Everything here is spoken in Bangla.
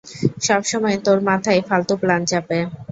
সবসময় তোর মাথায় ফালতু প্ল্যান চাপে।